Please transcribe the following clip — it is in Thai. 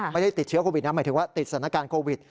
ไม่ได้ติดเชื้อโควิดนะหมายถึงว่าติดสถานการณ์โควิด